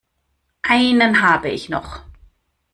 Einen habe ich noch.